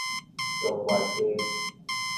中原街